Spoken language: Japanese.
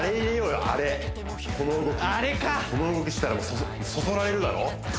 この動きこの動きしたらそそられるだろ？